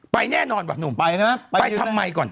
ไปแน่นอนว่ะไปทำไมก่อน